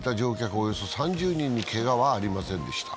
およそ３０人にけがはありませんでした。